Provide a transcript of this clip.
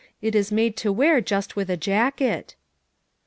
It is made to wear just with a jacket."